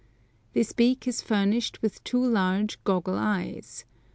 This beak is furnished with two large, goggle eyes.